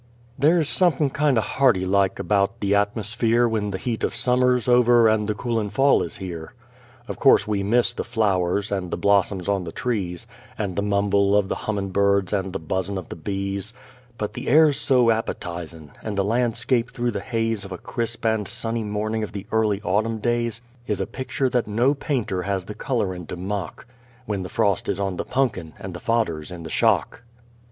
There's sompin kind o' hearty like about the atmosphere When the heat of summer's over and the coolin' fall is here. Of course we miss the flowers, and the blossoms on the trees, And the mumble of the hummin' birds and the buzzin' of the bees; But the air's so appetizin', and the landscape through the haze Of a crisp and sunny morning of the early autumn days Is a picture that no painter has the colorin' to mock, When the frost is on the punkin and the fodder's in the shock.